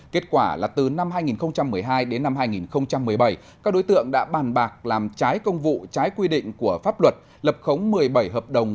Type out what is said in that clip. kết quả là từ năm hai nghìn một mươi hai đến năm hai nghìn một mươi bảy các đối tượng đã bàn bạc làm trái công vụ trái quy định của pháp luật lập khống một mươi bảy hợp đồng